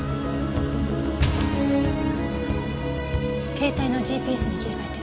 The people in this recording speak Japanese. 携帯のＧＰＳに切り替えて。